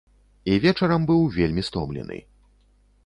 І вечарам быў вельмі стомлены.